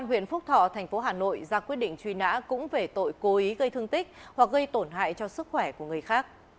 quyết định truy nã cũng về tội cối gây thương tích hoặc gây tổn hại cho sức khỏe của người khác